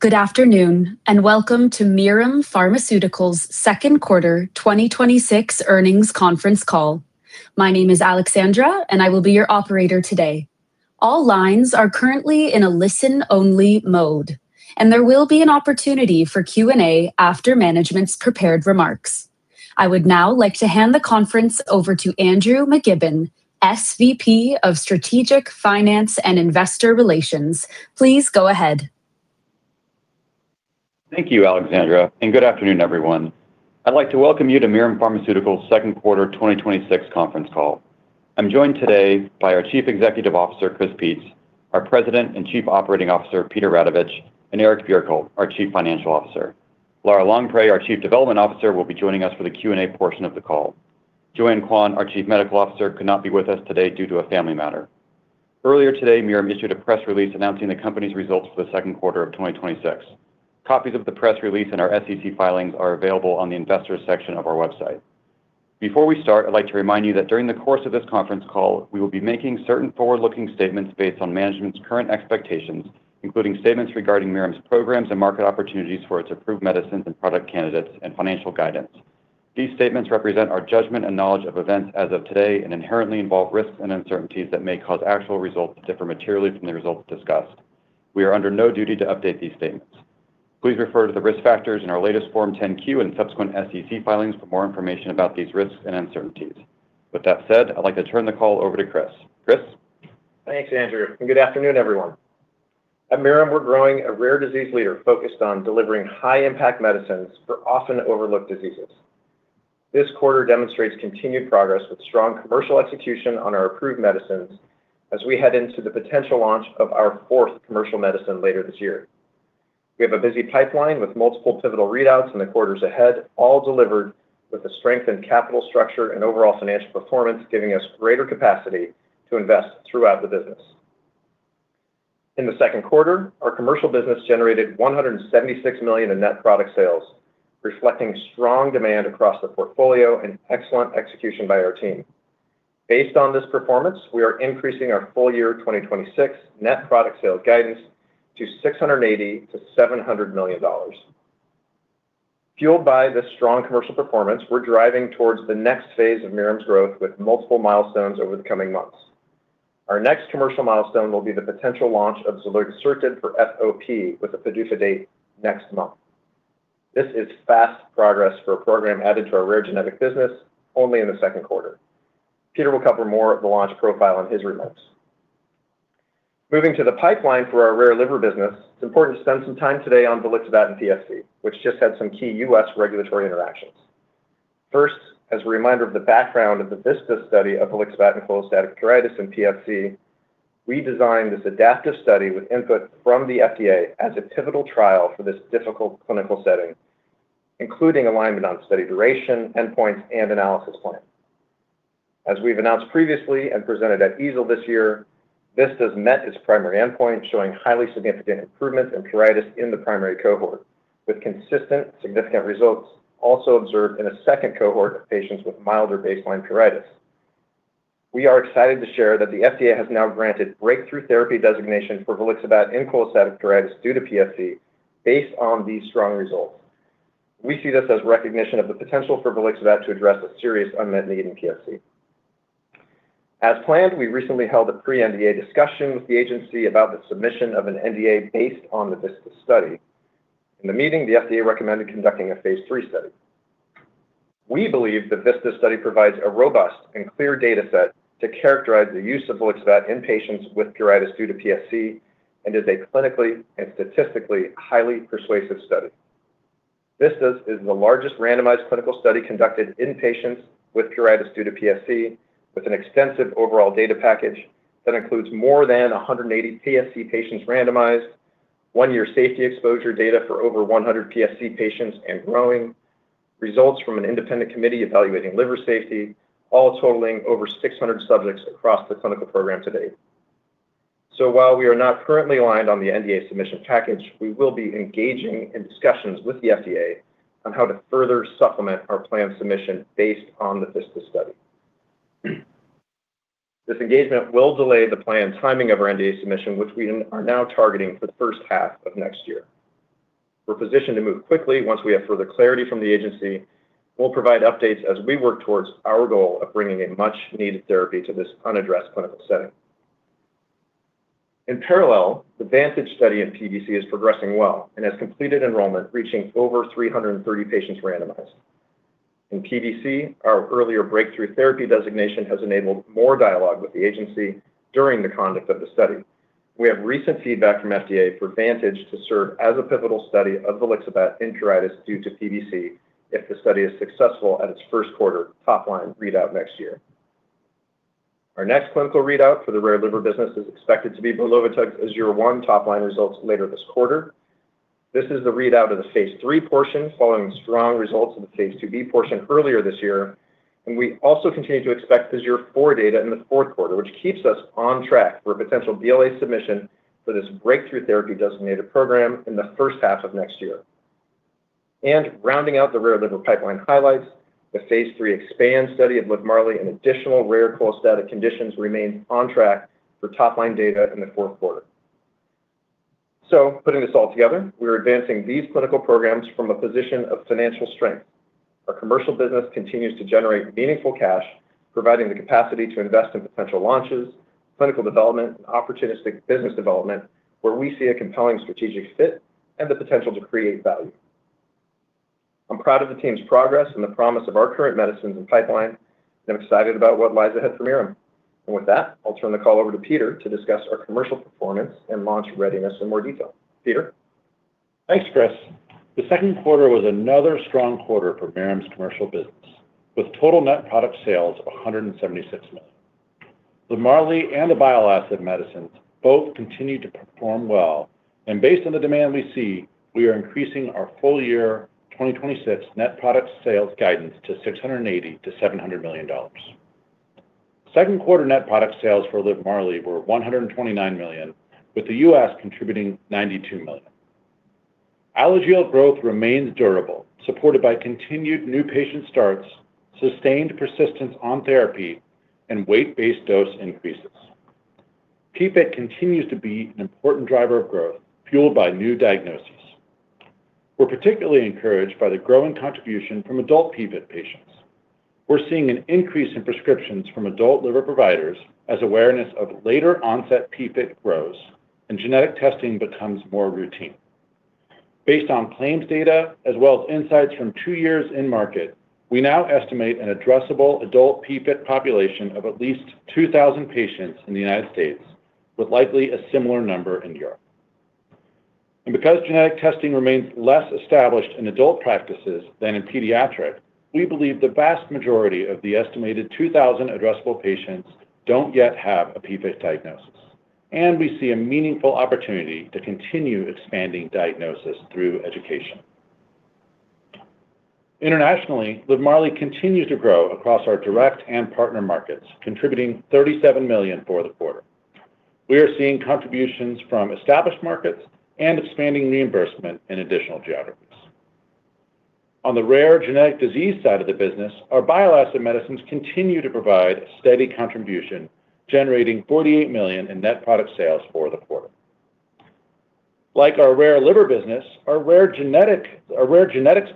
Good afternoon, and welcome to Mirum Pharmaceuticals' second quarter 2026 earnings conference call. My name is Alexandra, and I will be your operator today. All lines are currently in a listen-only mode, and there will be an opportunity for Q&A after management's prepared remarks. I would now like to hand the conference over to Andrew McKibben, SVP of Strategic Finance and Investor Relations. Please go ahead. Thank you, Alexandra, and good afternoon, everyone. I'd like to welcome you to Mirum Pharmaceuticals' second quarter 2026 conference call. I'm joined today by our Chief Executive Officer, Chris Peetz, our President and Chief Operating Officer, Peter Radovich, and Eric Bjerkholt, our Chief Financial Officer. Lara Longpre, our Chief Development Officer, will be joining us for the Q&A portion of the call. Joanne Quan, our Chief Medical Officer, could not be with us today due to a family matter. Earlier today, Mirum issued a press release announcing the company's results for the second quarter of 2026. Copies of the press release and our SEC filings are available on the Investors section of our website. Before we start, I'd like to remind you that during the course of this conference call, we will be making certain forward-looking statements based on management's current expectations, including statements regarding Mirum's programs and market opportunities for its approved medicines and product candidates and financial guidance. These statements represent our judgment and knowledge of events as of today and inherently involve risks and uncertainties that may cause actual results to differ materially from the results discussed. We are under no duty to update these statements. Please refer to the risk factors in our latest Form 10-Q and subsequent SEC filings for more information about these risks and uncertainties. With that said, I'd like to turn the call over to Chris. Chris? Thanks, Andrew, and good afternoon, everyone. At Mirum, we're growing a rare disease leader focused on delivering high-impact medicines for often-overlooked diseases. This quarter demonstrates continued progress with strong commercial execution on our approved medicines as we head into the potential launch of our fourth commercial medicine later this year. We have a busy pipeline with multiple pivotal readouts in the quarters ahead, all delivered with a strengthened capital structure and overall financial performance, giving us greater capacity to invest throughout the business. In the second quarter, our commercial business generated $176 million in net product sales, reflecting strong demand across the portfolio and excellent execution by our team. Based on this performance, we are increasing our full year 2026 net product sales guidance to $680 million-$700 million. Fueled by the strong commercial performance, we're driving towards the next phase of Mirum's growth with multiple milestones over the coming months. Our next commercial milestone will be the potential launch of zilurgisertib for FOP with a PDUFA date next month. This is fast progress for a program added to our rare genetic business only in the second quarter. Peter will cover more of the launch profile in his remarks. Moving to the pipeline for our rare liver business, it's important to spend some time today on volixibat and PSC, which just had some key U.S. regulatory interactions. First, as a reminder of the background of the VISTAS study of volixibat and cholestatic pruritus in PSC, we designed this adaptive study with input from the FDA as a pivotal trial for this difficult clinical setting, including alignment on study duration, endpoints, and analysis plan. As we've announced previously and presented at EASL this year, VISTAS met its primary endpoint, showing highly significant improvement in pruritus in the primary cohort, with consistent significant results also observed in a second cohort of patients with milder baseline pruritus. We are excited to share that the FDA has now granted breakthrough therapy designation for volixibat in cholestatic pruritus due to PSC based on these strong results. We see this as recognition of the potential for volixibat to address a serious unmet need in PSC. As planned, we recently held a pre-NDA discussion with the agency about the submission of an NDA based on the VISTAS study. In the meeting, the FDA recommended conducting a Phase III study. We believe the VISTAS study provides a robust and clear data set to characterize the use of volixibat in patients with pruritus due to PSC and is a clinically and statistically highly persuasive study. VISTAS is the largest randomized clinical study conducted in patients with pruritus due to PSC, with an extensive overall data package that includes more than 180 PSC patients randomized, one-year safety exposure data for over 100 PSC patients and growing, results from an independent committee evaluating liver safety, all totaling over 600 subjects across the clinical program to date. While we are not currently aligned on the NDA submission package, we will be engaging in discussions with the FDA on how to further supplement our planned submission based on the VISTAS study. This engagement will delay the planned timing of our NDA submission, which we are now targeting for the first half of next year. We're positioned to move quickly once we have further clarity from the agency. We'll provide updates as we work towards our goal of bringing a much-needed therapy to this unaddressed clinical setting. In parallel, the VANTAGE study in PBC is progressing well and has completed enrollment, reaching over 330 patients randomized. In PBC, our earlier breakthrough therapy designation has enabled more dialogue with the agency during the conduct of the study. We have recent feedback from FDA for VANTAGE to serve as a pivotal study of volixibat in pruritus due to PBC if the study is successful at its first-quarter top-line readout next year. Our next clinical readout for the rare liver business is expected to be brelovitug as AZURE-1 top-line results later this quarter. This is the readout of the Phase III portion, following strong results of the Phase IIb portion earlier this year. We also continue to expect the year four data in the fourth quarter, which keeps us on track for a potential BLA submission for this breakthrough therapy-designated program in the first half of next year. Rounding out the rare liver pipeline highlights, the phase III EXPAND study of LIVMARLI in additional rare cholestatic conditions remains on track for top-line data in the fourth quarter. Putting this all together, we are advancing these clinical programs from a position of financial strength. Our commercial business continues to generate meaningful cash, providing the capacity to invest in potential launches, clinical development, and opportunistic business development where we see a compelling strategic fit and the potential to create value. I am proud of the team's progress and the promise of our current medicines and pipeline, and I am excited about what lies ahead for Mirum. With that, I will turn the call over to Peter to discuss our commercial performance and launch readiness in more detail. Peter? Thanks, Chris. The second quarter was another strong quarter for Mirum's commercial business, with total net product sales of $176 million. LIVMARLI and the bile acid medicines both continued to perform well, and based on the demand we see, we are increasing our full-year 2026 net product sales guidance to $680 million-$700 million. Second quarter net product sales for LIVMARLI were $129 million, with the U.S. contributing $92 million. Alagille growth remains durable, supported by continued new patient starts, sustained persistence on therapy, and weight-based dose increases. PFIC continues to be an important driver of growth, fueled by new diagnoses. We are particularly encouraged by the growing contribution from adult PFIC patients. We are seeing an increase in prescriptions from adult liver providers as awareness of later-onset PFIC grows and genetic testing becomes more routine. Based on claims data as well as insights from two years in market, we now estimate an addressable adult PFIC population of at least 2,000 patients in the United States, with likely a similar number in Europe. Because genetic testing remains less established in adult practices than in pediatric, we believe the vast majority of the estimated 2,000 addressable patients do not yet have a PFIC diagnosis, and we see a meaningful opportunity to continue expanding diagnosis through education. Internationally, LIVMARLI continues to grow across our direct and partner markets, contributing $37 million for the quarter. We are seeing contributions from established markets and expanding reimbursement in additional geographies. On the rare genetic disease side of the business, our bile acid medicines continue to provide a steady contribution, generating $48 million in net product sales for the quarter. Like our rare liver business, our rare genetics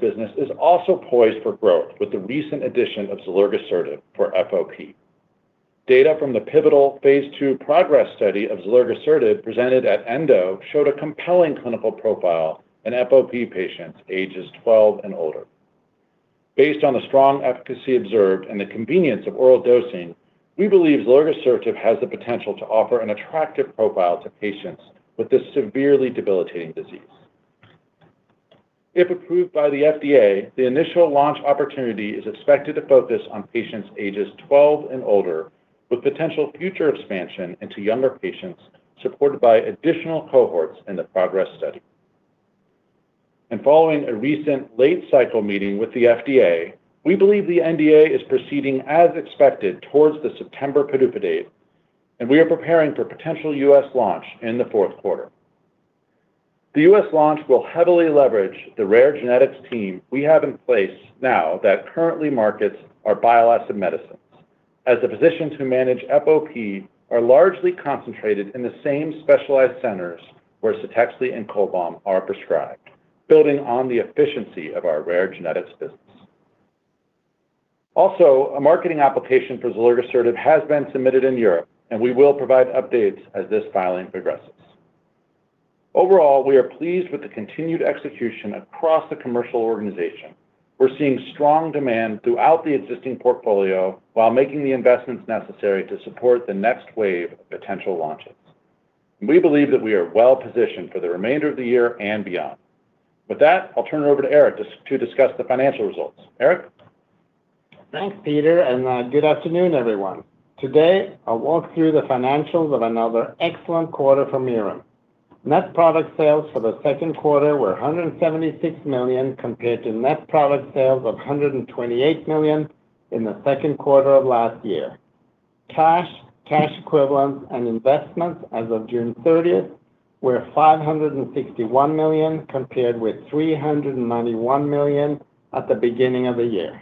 business is also poised for growth with the recent addition of zilurgisertib for FOP. Data from the pivotal phase II PROGRESS study of zilurgisertib presented at ENDO showed a compelling clinical profile in FOP patients ages 12 and older. Based on the strong efficacy observed and the convenience of oral dosing, we believe zilurgisertib has the potential to offer an attractive profile to patients with this severely debilitating disease. If approved by the FDA, the initial launch opportunity is expected to focus on patients ages 12 and older, with potential future expansion into younger patients supported by additional cohorts in the PROGRESS study. Following a recent late-cycle meeting with the FDA, we believe the NDA is proceeding as expected towards the September PDUFA date, and we are preparing for potential U.S. launch in the fourth quarter. The U.S. launch will heavily leverage the rare genetics team we have in place now that currently markets our bile acid medicines, as the physicians who manage FOP are largely concentrated in the same specialized centers where Ctexli and CHOLBAM are prescribed, building on the efficiency of our rare genetics business. A marketing application for zilurgisertib has been submitted in Europe, and we will provide updates as this filing progresses. Overall, we are pleased with the continued execution across the commercial organization. We're seeing strong demand throughout the existing portfolio while making the investments necessary to support the next wave of potential launches. We believe that we are well-positioned for the remainder of the year and beyond. With that, I'll turn it over to Eric to discuss the financial results. Eric? Thanks, Peter, good afternoon, everyone. Today, I'll walk through the financials of another excellent quarter for Mirum. Net product sales for the second quarter were $176 million compared to net product sales of $128 million in the second quarter of last year. Cash, cash equivalents, and investments as of June 30th were $561 million, compared with $391 million at the beginning of the year.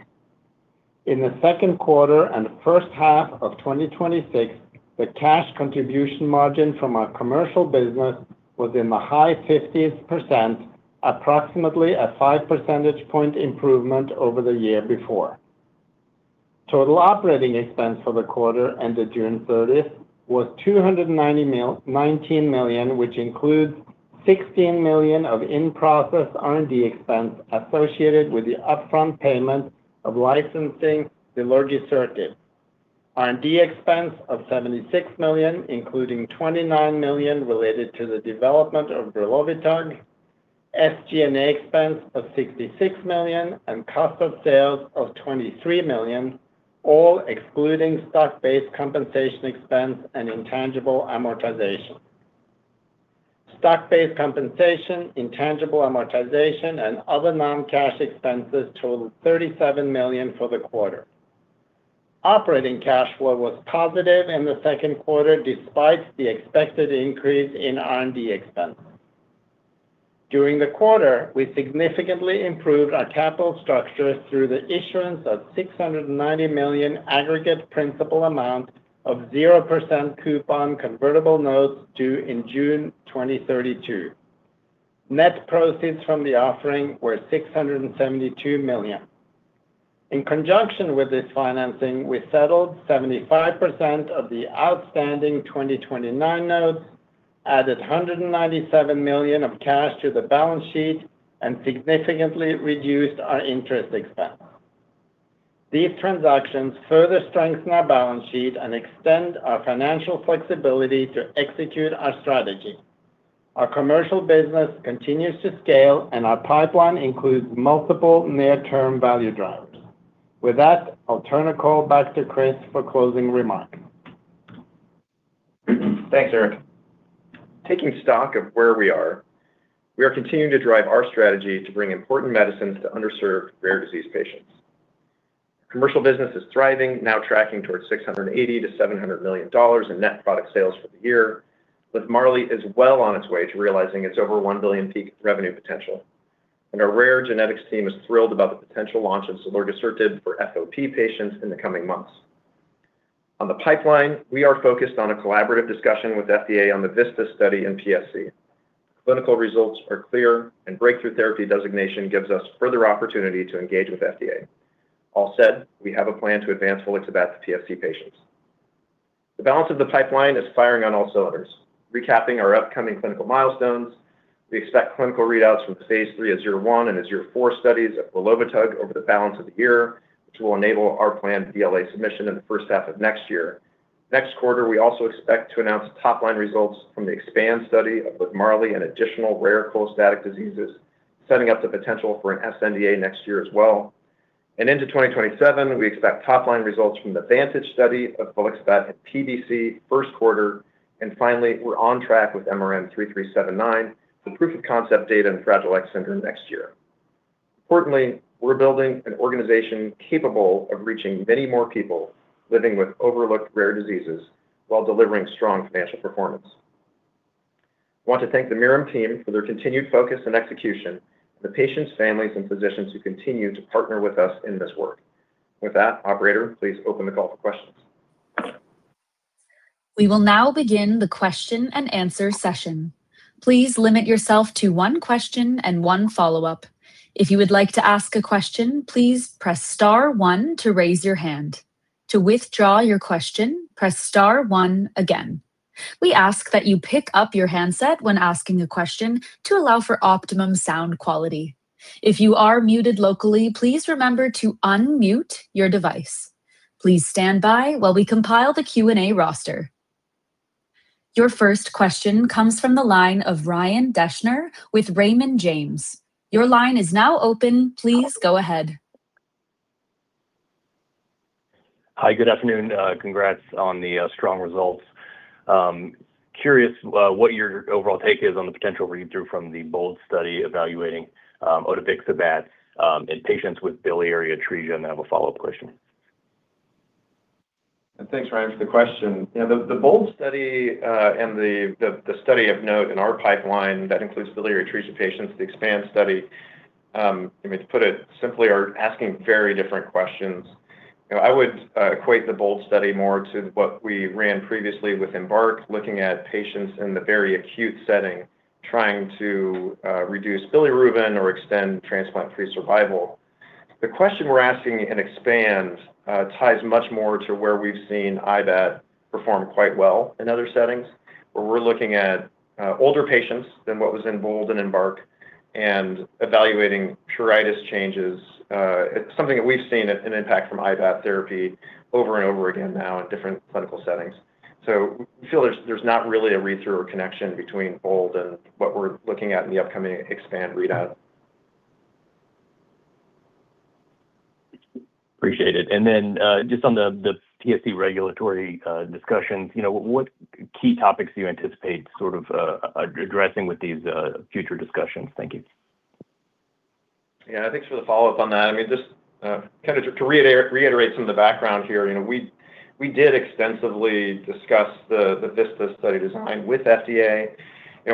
In the second quarter and first half of 2026, the cash contribution margin from our commercial business was in the high 50s%, approximately a five-percentage-point improvement over the year before. Total operating expense for the quarter ended June 30th was $19 million, which includes $16 million of in-process R&D expense associated with the upfront payment of licensing zilurgisertib. R&D expense of $76 million, including $29 million related to the development of brelovitug, SG&A expense of $66 million, cost of sales of $23 million, all excluding stock-based compensation expense and intangible amortization. Stock-based compensation, intangible amortization, and other non-cash expenses totaled $37 million for the quarter. Operating cash flow was positive in the second quarter despite the expected increase in R&D expenses. During the quarter, we significantly improved our capital structure through the issuance of $690 million aggregate principal amount of 0% coupon convertible notes due in June 2032. Net proceeds from the offering were $672 million. In conjunction with this financing, we settled 75% of the outstanding 2029 notes, added $197 million of cash to the balance sheet, and significantly reduced our interest expense. These transactions further strengthen our balance sheet and extend our financial flexibility to execute our strategy. Our commercial business continues to scale, and our pipeline includes multiple near-term value drivers. With that, I'll turn the call back to Chris for closing remarks. Thanks, Eric. Taking stock of where we are, we are continuing to drive our strategy to bring important medicines to underserved rare disease patients. Commercial business is thriving, now tracking towards $680 million-$700 million in net product sales for the year. LIVMARLI is well on its way to realizing its over 1 billion peak revenue potential. Our rare genetics team is thrilled about the potential launch of zilurgisertib for FOP patients in the coming months. On the pipeline, we are focused on a collaborative discussion with FDA on the VISTAS study in PSC. Clinical results are clear, breakthrough therapy designation gives us further opportunity to engage with FDA. All said, we have a plan to advance volixibat to PSC patients. The balance of the pipeline is firing on all cylinders. Recapping our upcoming clinical milestones, we expect clinical readouts from the Phase III AZURE-1 and AZURE-4 studies of brelovitug over the balance of the year, which will enable our planned BLA submission in the first half of next year. Next quarter, we also expect to announce top-line results from the EXPAND study of LIVMARLI in additional rare cholestatic diseases, setting up the potential for an sNDA next year as well. Into 2027, we expect top-line results from the VANTAGE study of volixibat at PBC in first quarter. Finally, we're on track with MRM-3379 for proof of concept data in Fragile X syndrome next year. Importantly, we're building an organization capable of reaching many more people living with overlooked rare diseases while delivering strong financial performance. I want to thank the Mirum team for their continued focus and execution, and the patients, families, and physicians who continue to partner with us in this work. With that, operator, please open the call for questions. We will now begin the question and answer session. Please limit yourself to one question and one follow-up. If you would like to ask a question, please press star one to raise your hand. To withdraw your question, press star one again. We ask that you pick up your handset when asking a question to allow for optimum sound quality. If you are muted locally, please remember to unmute your device. Please stand by while we compile the Q&A roster. Your first question comes from the line of Ryan Deschner with Raymond James. Your line is now open. Please go ahead. Hi, good afternoon. Congrats on the strong results. Curious what your overall take is on the potential read-through from the BOLD study evaluating odevixibat in patients with biliary atresia. I have a follow-up question. Thanks, Ryan, for the question. The BOLD study and the study of note in our pipeline that includes biliary atresia patients, the EXPAND study, to put it simply, are asking very different questions. I would equate the BOLD study more to what we ran previously with EMBARK, looking at patients in the very acute setting trying to reduce bilirubin or extend transplant-free survival. The question we're asking in EXPAND ties much more to where we've seen IBAT perform quite well in other settings, where we're looking at older patients than what was in BOLD and EMBARK and evaluating pruritus changes. It's something that we've seen an impact from IBAT therapy over and over again now in different clinical settings. We feel there's not really a read-through or connection between BOLD and what we're looking at in the upcoming EXPAND readout. Appreciate it. Just on the PSC regulatory discussions, what key topics do you anticipate sort of addressing with these future discussions? Thank you. Yeah, thanks for the follow-up on that. Just to reiterate some of the background here, we did extensively discuss the VISTAS study design with FDA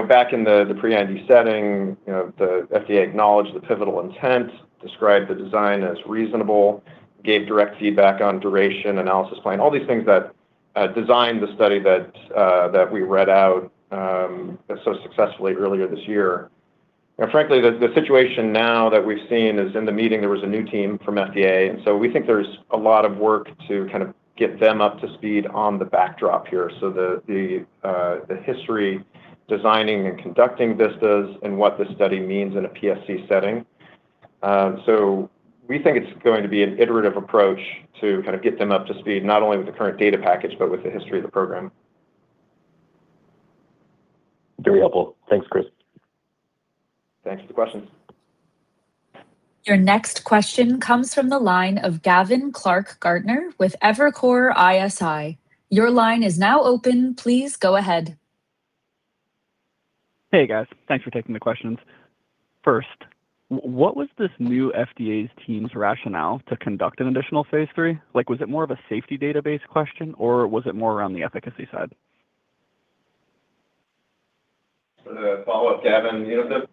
back in the pre-IND setting. The FDA acknowledged the pivotal intent, described the design as reasonable, gave direct feedback on duration, analysis plan, all these things that designed the study that we read out so successfully earlier this year. Frankly, the situation now that we've seen is in the meeting, there was a new team from FDA, we think there's a lot of work to get them up to speed on the backdrop here. The history, designing, and conducting VISTAS and what the study means in a PSC setting. We think it's going to be an iterative approach to get them up to speed, not only with the current data package, but with the history of the program. Very helpful. Thanks, Chris. Thanks for the question. Your next question comes from the line of Gavin Clark-Gartner with Evercore ISI. Your line is now open. Please go ahead. Hey guys. Thanks for taking the questions. First, what was this new FDA's team's rationale to conduct an additional phase III? Was it more of a safety database question, or was it more around the efficacy side? For the follow-up, Gavin,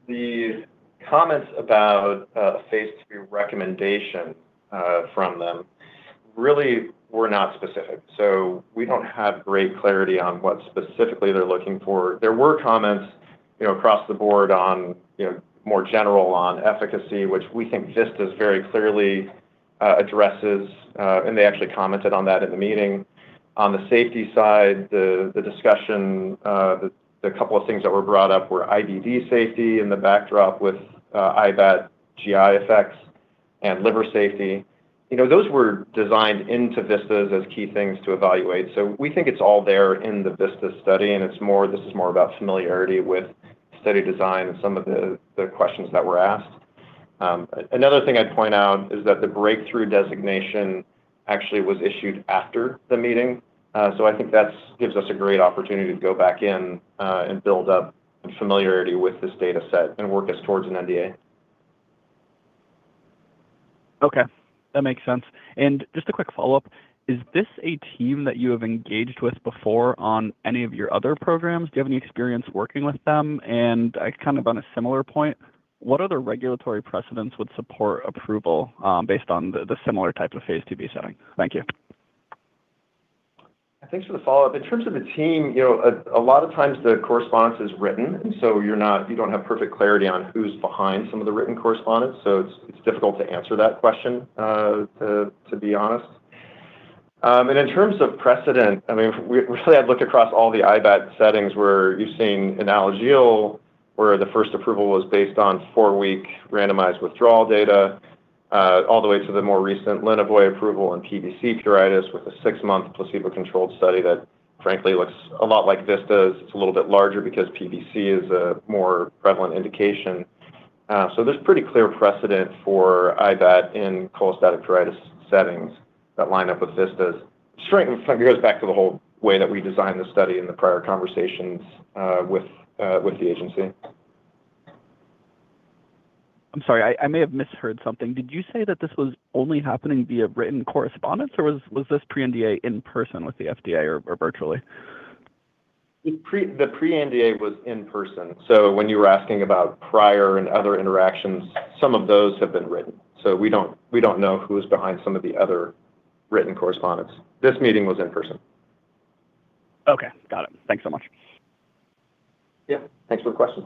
the comments about a phase III recommendation from them really were not specific. We don't have great clarity on what specifically they're looking for. There were comments across the board on more general on efficacy, which we think VISTAS very clearly addresses. They actually commented on that in the meeting. On the safety side, the discussion, the couple of things that were brought up were IDD safety in the backdrop with IBAT GI effects and liver safety. Those were designed into VISTAS as key things to evaluate. We think it's all there in the VISTAS study, and this is more about familiarity with study design and some of the questions that were asked. Another thing I'd point out is that the breakthrough designation actually was issued after the meeting. I think that gives us a great opportunity to go back in and build up familiarity with this data set and work us towards an NDA. Okay, that makes sense. Just a quick follow-up, is this a team that you have engaged with before on any of your other programs? Do you have any experience working with them? Kind of on a similar point, what other regulatory precedents would support approval based on the similar type of phase IIb setting? Thank you. Thanks for the follow-up. In terms of the team, a lot of times the correspondence is written, so you don't have perfect clarity on who's behind some of the written correspondence, so it's difficult to answer that question, to be honest. In terms of precedent, really I'd look across all the IBAT settings where you're seeing Alagille, where the first approval was based on four-week randomized withdrawal data, all the way to the more recent Iqirvo approval in PBC pruritus with a six-month placebo-controlled study that frankly looks a lot like VISTAS. It's a little bit larger because PBC is a more prevalent indication. There's pretty clear precedent for IBAT in cholestatic pruritus settings that line up with VISTAS. Straight it goes back to the whole way that we designed the study in the prior conversations with the agency. I'm sorry. I may have misheard something. Did you say that this was only happening via written correspondence, or was this pre-NDA in person with the FDA or virtually? The pre-NDA was in person. When you were asking about prior and other interactions, some of those have been written. We don't know who is behind some of the other written correspondence. This meeting was in person. Okay, got it. Thanks so much. Yeah. Thanks for the question.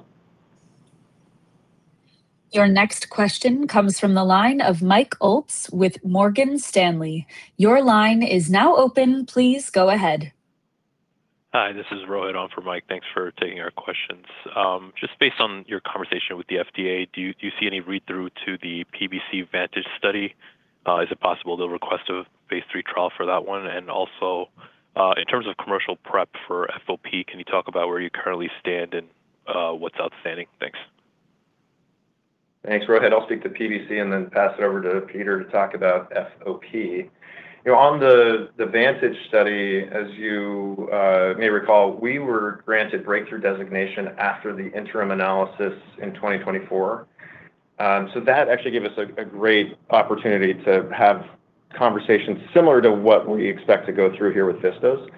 Your next question comes from the line of Mike Oltz with Morgan Stanley. Your line is now open. Please go ahead. Hi, this is Rohit on for Mike. Thanks for taking our questions. Just based on your conversation with the FDA, do you see any read-through to the PBC VANTAGE study? Is it possible they'll request a phase III trial for that one? In terms of commercial prep for FOP, can you talk about where you currently stand and what's outstanding? Thanks. Thanks, Rohit. I'll speak to PBC and then pass it over to Peter to talk about FOP. On the VANTAGE study, as you may recall, we were granted breakthrough designation after the interim analysis in 2024. That actually gave us a great opportunity to have conversations similar to what we expect to go through here with VISTAS.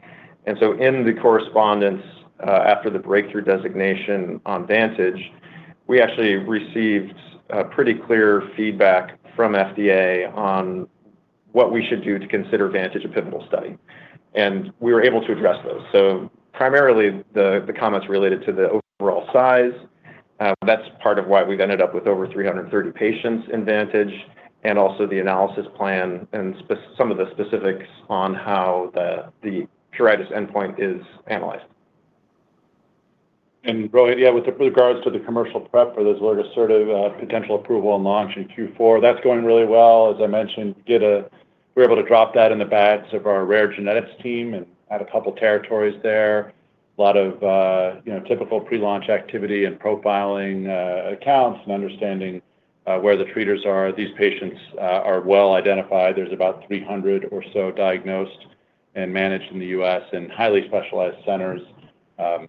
In the correspondence after the breakthrough designation on VANTAGE, we actually received pretty clear feedback from FDA on what we should do to consider VANTAGE a pivotal study. We were able to address those. Primarily, the comments related to the overall size. That's part of why we've ended up with over 330 patients in VANTAGE, and also the analysis plan and some of the specifics on how the pruritus endpoint is analyzed. Rohit, yeah, with regards to the commercial prep for this sort of potential approval and launch in Q4, that's going really well. As I mentioned, we were able to drop that in the bags of our rare genetics team and add a couple of territories there. A lot of typical pre-launch activity and profiling accounts and understanding where the treaters are. These patients are well identified. There's about 300 or so diagnosed and managed in the U.S. in highly specialized centers.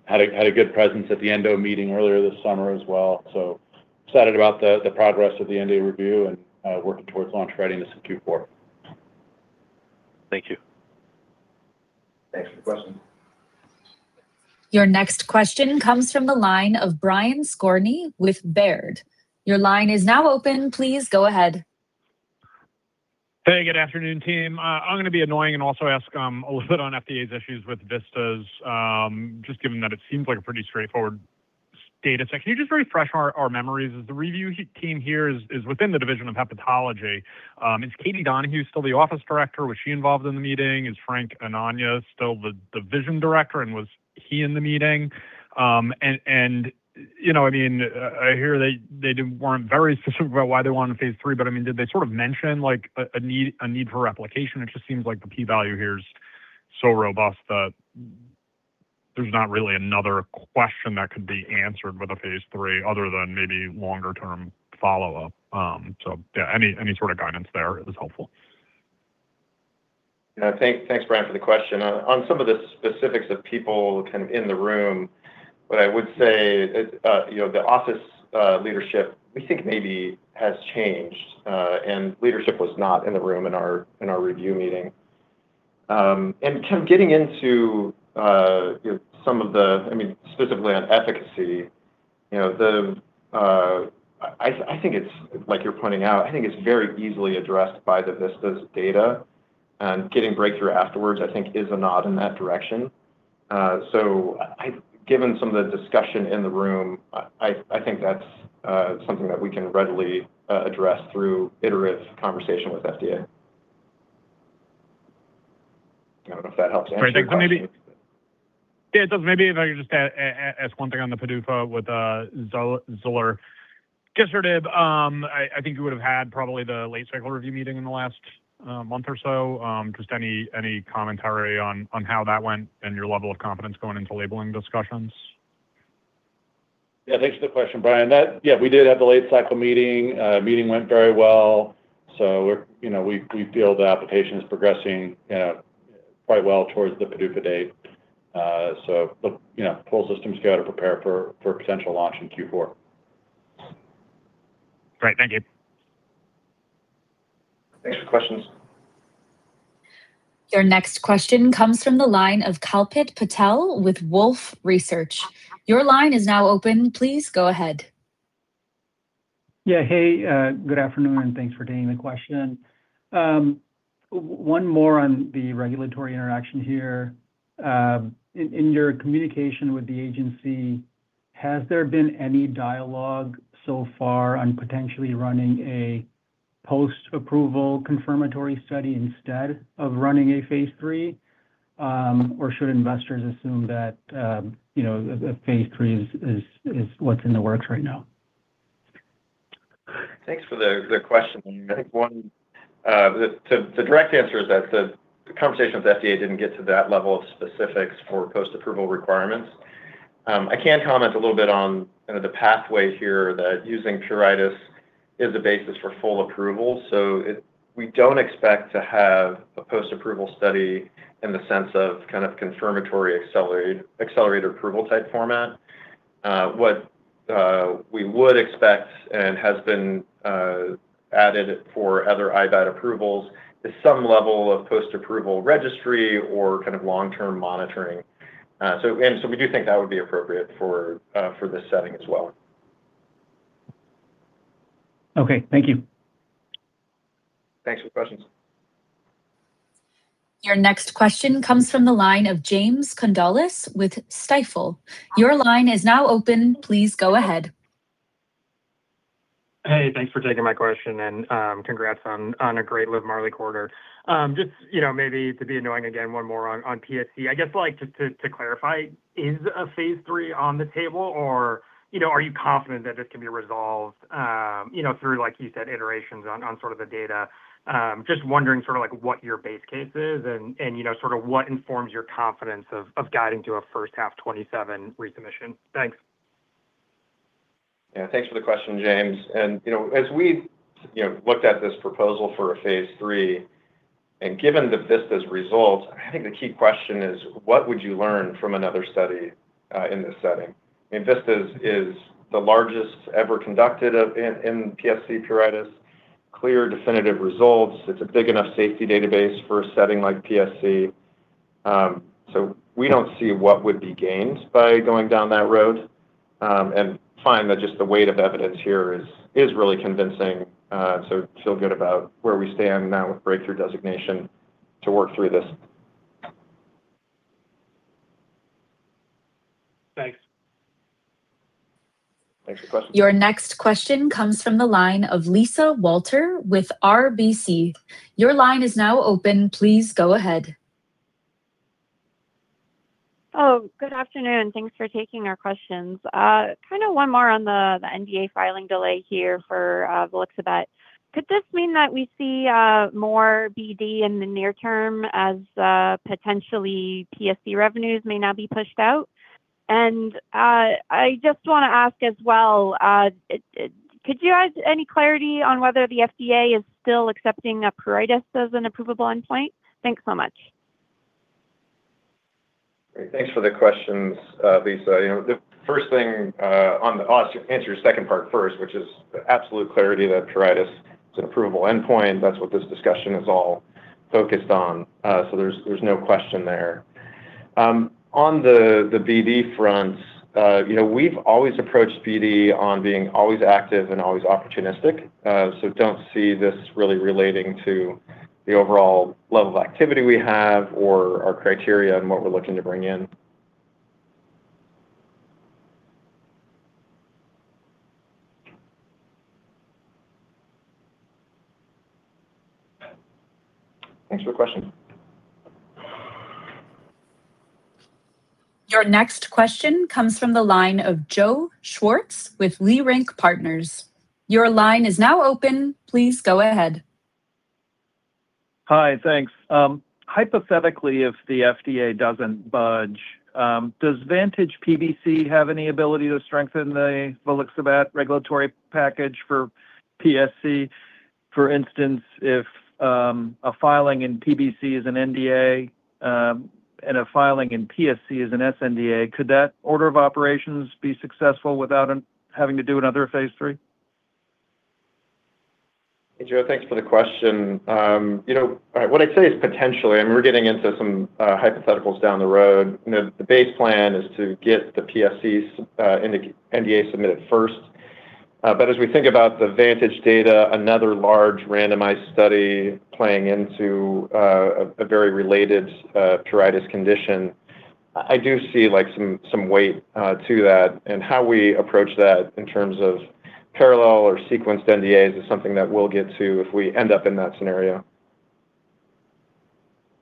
Had a good presence at the ENDO meeting earlier this summer as well. Excited about the progress of the NDA review and working towards launch readiness in Q4. Thank you. Thanks for the question. Your next question comes from the line of Brian Skorney with Baird. Your line is now open. Please go ahead. Hey, good afternoon, team. I'm going to be annoying and also ask a little bit on FDA's issues with VISTAS, just given that it seems like a pretty straightforward data set. Can you just refresh our memories? The review team here is within the division of hepatology. Is Kathleen Donohue still the office director? Was she involved in the meeting? Is Frank Anania still the division director and was he in the meeting? I hear they weren't very specific about why they wanted phase III, did they sort of mention a need for replication? It just seems like the P value here is so robust that there's not really another question that could be answered with a phase III other than maybe longer term follow-up. Yeah, any sort of guidance there is helpful. Thanks, Brian, for the question. On some of the specifics of people in the room, what I would say, the office leadership, we think maybe has changed. Leadership was not in the room in our review meeting. Getting into some of the specifically on efficacy, like you're pointing out, I think it's very easily addressed by the VISTAS data and getting breakthrough afterwards, I think is a nod in that direction. Given some of the discussion in the room, I think that's something that we can readily address through iterative conversation with FDA. I don't know if that helps answer your question. Yeah, it does. Maybe if I could just ask one thing on the PDUFA with zilurgisertib. I think you would've had probably the late-cycle review meeting in the last month or so. Just any commentary on how that went and your level of confidence going into labeling discussions? Yeah. Thanks for the question, Brian. Yeah, we did have the late-cycle meeting. Meeting went very well. We feel the application is progressing quite well towards the PDUFA date. Look, full systems go to prepare for potential launch in Q4. Great. Thank you. Thanks for questions. Your next question comes from the line of Kalpit Patel with Wolfe Research. Your line is now open. Please go ahead. Yeah. Hey, good afternoon, and thanks for taking the question. One more on the regulatory interaction here. In your communication with the agency, has there been any dialogue so far on potentially running a post-approval confirmatory study instead of running a phase III? Or should investors assume that a phase III is what's in the works right now? Thanks for the question. I think the direct answer is that the conversation with FDA didn't get to that level of specifics for post-approval requirements. I can comment a little bit on the pathway here that using pruritus is the basis for full approval. We don't expect to have a post-approval study in the sense of confirmatory accelerated approval type format. What we would expect and has been added for other IBAT approvals is some level of post-approval registry or long-term monitoring. We do think that would be appropriate for this setting as well. Okay. Thank you. Thanks for the questions. Your next question comes from the line of James Condulis with Stifel. Your line is now open. Please go ahead. Hey, thanks for taking my question, and congrats on a great LIVMARLI quarter. Just maybe to be annoying again, one more on PSC. I guess to clarify, is a phase III on the table, or are you confident that this can be resolved through, like you said, iterations on sort of the data? Just wondering what your base case is and what informs your confidence of guiding to a first-half 2027 resubmission. Thanks. Thanks for the question, James. As we looked at this proposal for a phase III, and given the VISTAS results, I think the key question is: What would you learn from another study in this setting? VISTAS is the largest ever conducted in PSC pruritus. Clear, definitive results. It's a big enough safety database for a setting like PSC. We don't see what would be gained by going down that road, and find that just the weight of evidence here is really convincing. Feel good about where we stand now with breakthrough designation to work through this. Thanks. Thanks for the question. Your next question comes from the line of Lisa Walter with RBC. Your line is now open. Please go ahead. Good afternoon. Thanks for taking our questions. One more on the NDA filing delay here for volixibat. Could this mean that we see more BD in the near term as potentially PSC revenues may now be pushed out? I just want to ask as well, could you add any clarity on whether the FDA is still accepting pruritus as an approvable endpoint? Thanks so much. Great. Thanks for the questions, Lisa. I'll answer your second part first, which is the absolute clarity that pruritus is an approvable endpoint. That's what this discussion is all focused on. There's no question there. On the BD front, we've always approached BD on being always active and always opportunistic. Don't see this really relating to the overall level of activity we have or our criteria and what we're looking to bring in. Thanks for the question. Your next question comes from the line of Joseph Schwartz with Leerink Partners. Your line is now open. Please go ahead. Hi. Thanks. Hypothetically, if the FDA doesn't budge, does VANTAGE PBC have any ability to strengthen the volixibat regulatory package for PSC? For instance, if a filing in PBC is an NDA and a filing in PSC is an sNDA, could that order of operations be successful without him having to do another phase III? Hey, Joe. Thanks for the question. What I'd say is potentially. We're getting into some hypotheticals down the road. The base plan is to get the PSC NDA submitted first. As we think about the VANTAGE data, another large randomized study playing into a very related pruritus condition, I do see some weight to that. How we approach that in terms of parallel or sequenced NDAs is something that we'll get to if we end up in that scenario.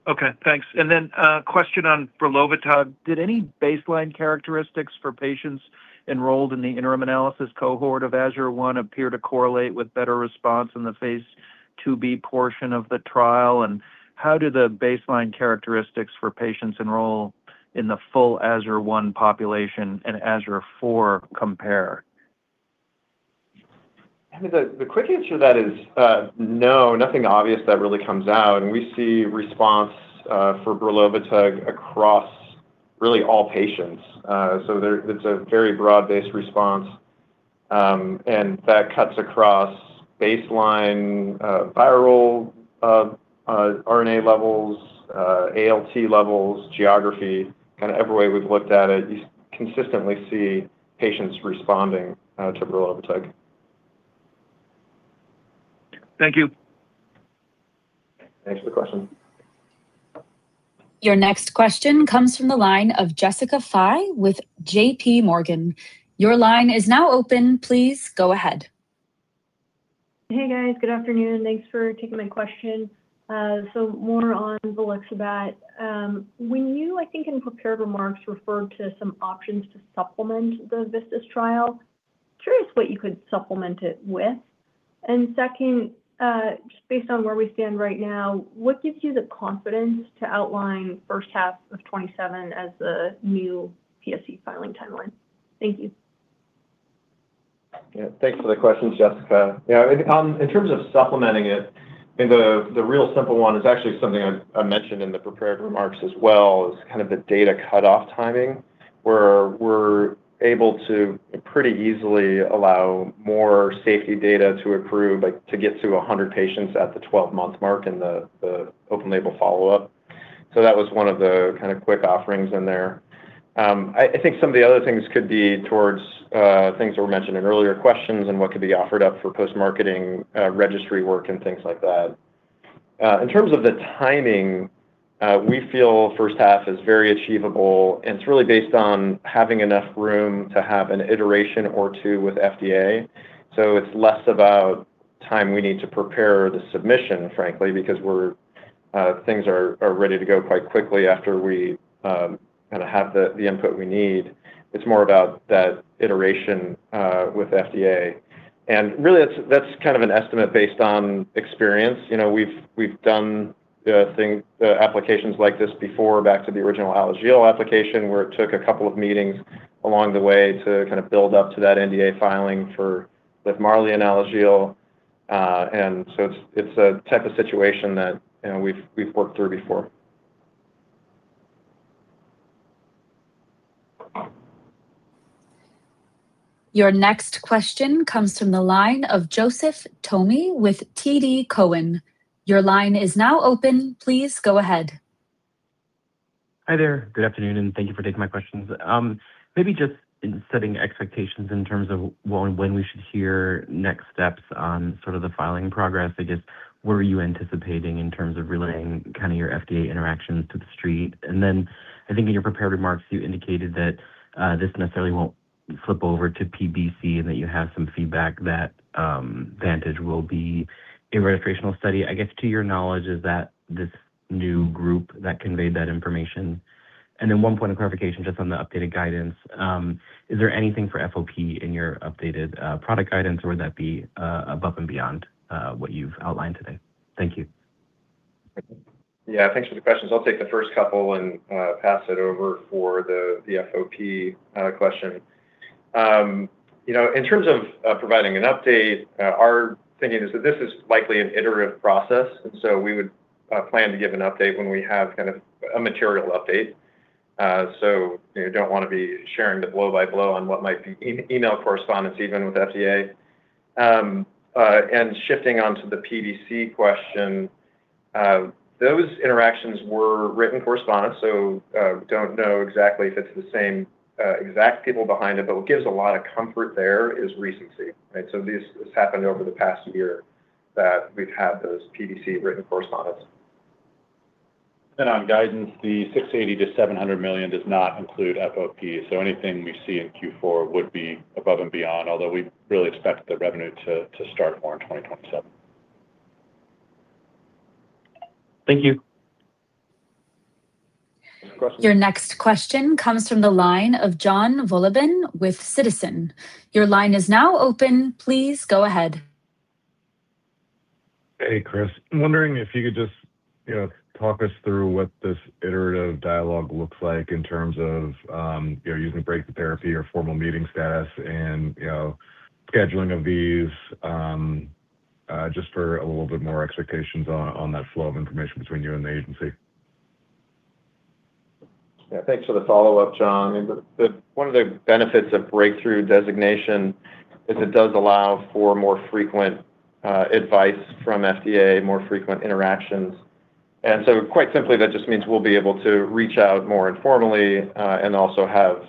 Okay, thanks. A question on brelovitug. Did any baseline characteristics for patients enrolled in the interim analysis cohort of AZURE-1 appear to correlate with better response in the phase IIb portion of the trial? How do the baseline characteristics for patients enroll in the full AZURE-1 population and AZURE-4 compare? I think the quick answer to that is no, nothing obvious that really comes out. We see response for brelovitug across really all patients. It's a very broad-based response, and that cuts across baseline viral RNA levels, ALT levels, geography. Kind of every way we've looked at it, you consistently see patients responding to brelovitug. Thank you. Thanks for the question. Your next question comes from the line of Jessica Fye with JPMorgan. Your line is now open. Please go ahead. Hey, guys. Good afternoon. Thanks for taking my question. More on volixibat. When you, I think in prepared remarks, referred to some options to supplement the VISTAS trial, curious what you could supplement it with. Second, just based on where we stand right now, what gives you the confidence to outline the first half of 2027 as the new PSC filing timeline? Thank you. Thanks for the questions, Jessica. In terms of supplementing it, I think the real simple one is actually something I mentioned in the prepared remarks as well is kind of the data cutoff timing, where we're able to pretty easily allow more safety data to accrue, to get to 100 patients at the 12-month mark in the open-label follow-up. That was one of the quick offerings in there. I think some of the other things could be towards things that were mentioned in earlier questions and what could be offered up for post-marketing registry work and things like that. In terms of the timing, we feel the first half is very achievable, and it's really based on having enough room to have an iteration or two with FDA. It's less about the time we need to prepare the submission, frankly, because things are ready to go quite quickly after we have the input we need. It's more about that iteration with FDA. Really, that's kind of an estimate based on experience. We've done applications like this before back to the original Alagille application, where it took a couple of meetings along the way to build up to that NDA filing for LIVMARLI and Alagille. It's a type of situation that we've worked through before. Your next question comes from the line of Joseph Thome with TD Cowen. Your line is now open. Please go ahead. Hi there. Good afternoon, thank you for taking my questions. Maybe just in setting expectations in terms of when we should hear next steps on sort of the filing progress. I guess, what are you anticipating in terms of relaying your FDA interactions to the street? I think in your prepared remarks, you indicated that this necessarily won't flip over to PBC and that you have some feedback that VANTAGE will be a registrational study. I guess to your knowledge, is that this new group that conveyed that information? One point of clarification just on the updated guidance. Is there anything for FOP in your updated product guidance, or would that be above and beyond what you've outlined today? Thank you. Yeah. Thanks for the questions. I'll take the first couple and pass it over for the FOP question. In terms of providing an update, our thinking is that this is likely an iterative process. We would plan to give an update when we have a material update. You don't want to be sharing the blow-by-blow on what might be email correspondence even with FDA. Shifting on to the PBC question, those interactions were written correspondence. Don't know exactly if it's the same exact people behind it, but what gives a lot of comfort there is recency, right? This has happened over the past year that we've had those PBC written correspondence. On guidance, the $680 million-$700 million does not include FOP. Anything we see in Q4 would be above and beyond, although we really expect the revenue to start more in 2027. Thank you. Any more questions? Your next question comes from the line of John Vullibhen with Citi. Your line is now open. Please go ahead. Hey, Chris. I'm wondering if you could just talk us through what this iterative dialogue looks like in terms of using breakthrough therapy or formal meeting status and scheduling of these, just for a little bit more expectations on that flow of information between you and the agency. Yeah. Thanks for the follow-up, John. One of the benefits of breakthrough designation is it does allow for more frequent advice from FDA, more frequent interactions. Quite simply, that just means we'll be able to reach out more informally and also have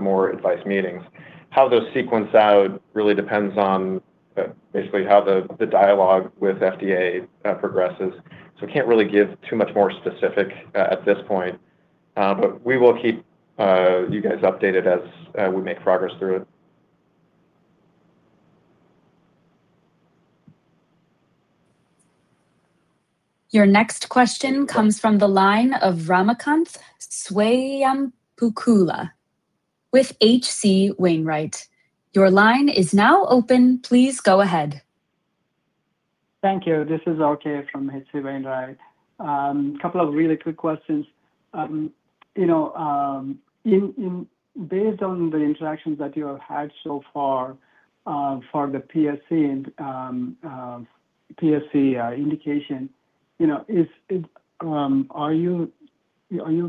more advice meetings. How those sequence out really depends on basically how the dialogue with FDA progresses. We can't really give too much more specific at this point. We will keep you guys updated as we make progress through it. Your next question comes from the line of Ramakant Swayampukula with H.C. Wainwright. Your line is now open. Please go ahead. Thank you. This is RK from H.C. Wainwright. A couple of really quick questions. Based on the interactions that you have had so far for the PSC indication, are you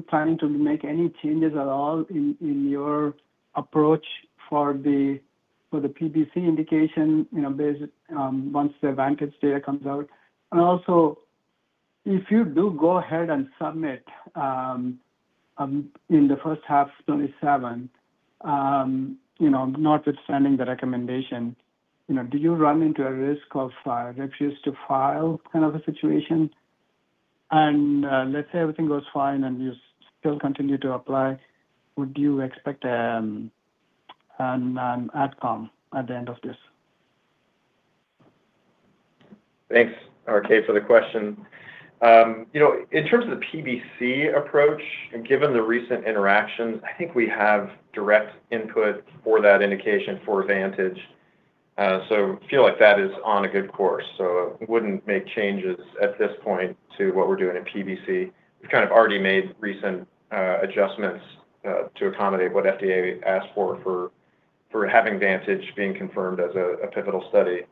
planning to make any changes at all in your approach for the PBC indication once the VANTAGE data comes out? If you do go ahead and submit in the first half of 2027, notwithstanding the recommendation, do you run into a risk of refuse to file kind of a situation? Let's say everything goes fine and you still continue to apply, would you expect an AdCom at the end of this? Thanks, RK, for the question. In terms of the PBC approach and given the recent interactions, I think we have direct input for that indication for VANTAGE. Feel like that is on a good course. Wouldn't make changes at this point to what we're doing in PBC. We've kind of already made recent adjustments to accommodate what FDA asked for having VANTAGE being confirmed as a pivotal study.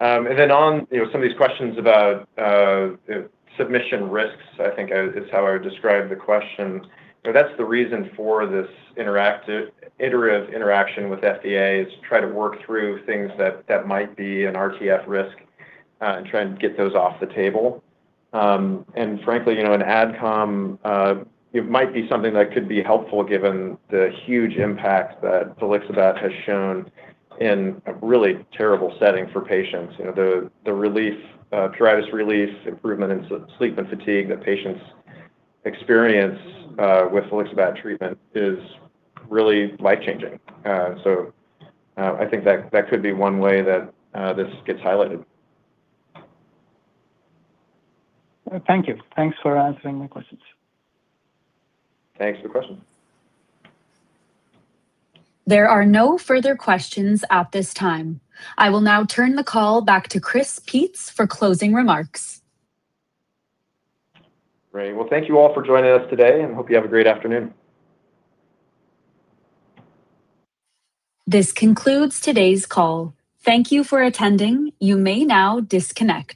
On some of these questions about submission risks, I think is how I would describe the question. That's the reason for this iterative interaction with FDA, is to try to work through things that might be an RTF risk and try and get those off the table. Frankly, an AdCom might be something that could be helpful given the huge impact that volixibat has shown in a really terrible setting for patients. The pruritus relief, improvement in sleep and fatigue that patients experience with volixibat treatment is really life-changing. I think that could be one way that this gets highlighted. Thank you. Thanks for answering my questions. Thanks for the question. There are no further questions at this time. I will now turn the call back to Chris Peetz for closing remarks. Great. Well, thank you all for joining us today, and hope you have a great afternoon. This concludes today's call. Thank you for attending. You may now disconnect.